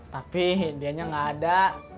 tapi dia nya gak ada